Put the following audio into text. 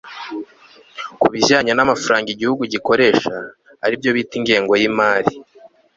ku bijyanye n'amafaranga igihugu gikoresha, ari byo bita ingengo y'imari